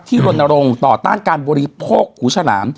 ที่ลนรงค์ต่อต้านการบรีโภกหูฉลาม